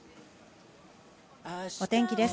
お天気です。